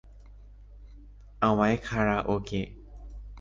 เอาไว้คาราโอเกะ